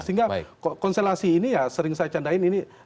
sehingga konstelasi ini ya sering saya candain ini